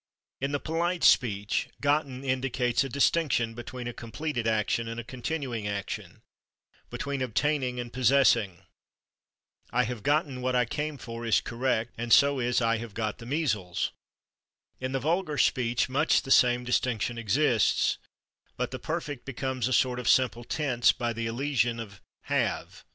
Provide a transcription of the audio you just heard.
In the polite speech /gotten/ indicates a distinction between a completed action and a continuing action, between obtaining and possessing. "I have /gotten/ what I came for" is correct, and so is "I have /got/ the measles." In the vulgar speech, much the same distinction exists, but the perfect becomes a sort of simple tense by the elision of /have